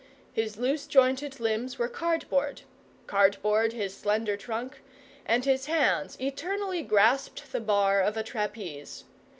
His loose jointed limbs were cardboard, cardboard his slender trunk; and his hands eternally grasped the bar of a trapeze.